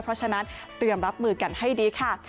เพราะฉะนั้นเตรียมรับมือกันให้ดีค่ะ